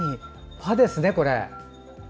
ファですね、これ。